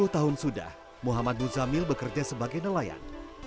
dua puluh tahun sudah muhammad nuzamil bekerja sebagai nelayan